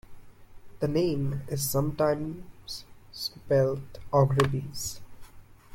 The name is sometimes spelt Aughrabies.